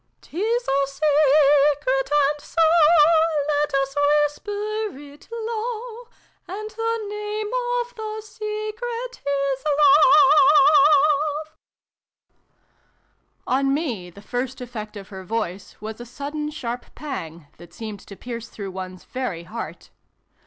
"' Tis a secret, and so let ^^s whisper it low A nd the name of the secret is Love !" On me the first effect of her voice was a sudden sharp pang that seemed to pierce through one's very heart.